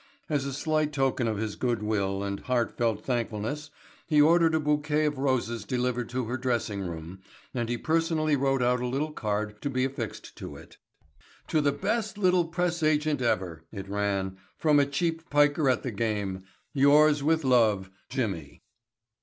As a slight token of his good will and heart felt thankfulness he ordered a bouquet of roses delivered to her dressing room and he personally wrote out a little card to be affixed to it. "To the best little press agent ever," it ran, "from a cheap piker at the game—Yours with love—Jimmy."